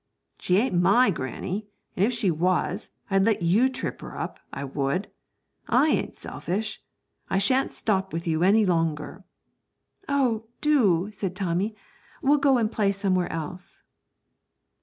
'She ain't my granny, and, if she was, I'd let you trip her up, I would; I ain't selfish. I shan't stop with you any longer.' 'Oh, do,' said Tommy; 'we'll go and play somewhere else.'